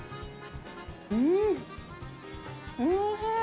うんおいしい！